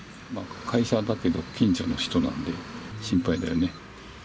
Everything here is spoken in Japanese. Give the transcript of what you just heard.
会社だけど、近所の人なんで、心配だよね。